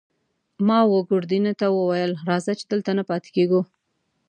ما وه ګوردیني ته وویل: راځه، چې دلته نه پاتې کېږو.